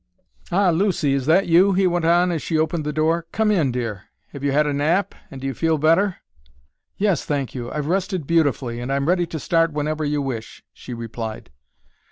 "Ah, Lucy, is that you?" he went on, as she opened the door. "Come in, dear. Have you had a nap, and do you feel better?" "Yes, thank you, I've rested beautifully, and I'm ready to start whenever you wish," she replied.